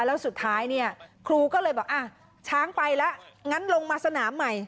แล้วสุดท้ายเนี่ยครูก็เลยบอกอ่ะช้างไปแล้วงั้นลงมาสนามใหม่